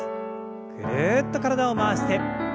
ぐるっと体を回して。